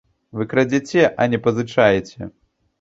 Вы крадзеце, а не пазычаеце.